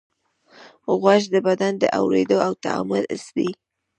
غوږ د بدن د اورېدو او تعادل حس دی.